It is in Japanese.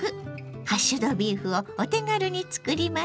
ハッシュドビーフをお手軽に作ります。